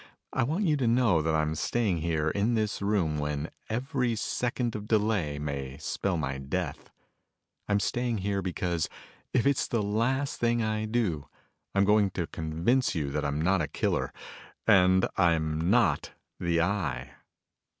I want you to know that I'm staying here in this room when every second of delay may spell my death. I'm staying here because if it's the last thing I do, I'm going to convince you that I'm not a killer. And I'm not the Eye."